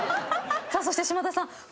そして島田さん。